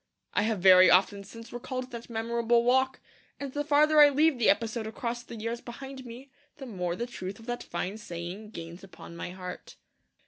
I have very often since recalled that memorable walk; and the farther I leave the episode across the years behind me the more the truth of that fine saying gains upon my heart.